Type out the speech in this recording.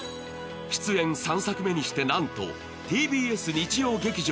出演３作目にしてなんとＴＢＳ日曜劇場